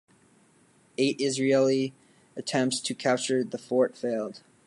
Eight Israeli attempts to capture the fort failed.